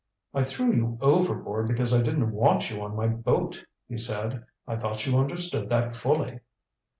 "I threw you overboard because I didn't want you on my boat," he said. "I thought you understood that fully."